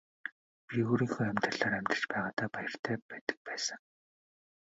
Би өөрийнхөө амьдралаар амьдарч байгаадаа баяртай байдаг байсан.